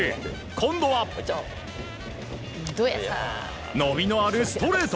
今度は、伸びのあるストレート。